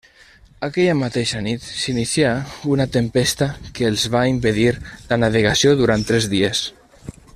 Aquella mateixa nit s'inicià una tempesta que els va impedir la navegació durant tres dies.